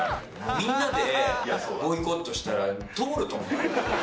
みんなでボイコットしたら通ると思うよ。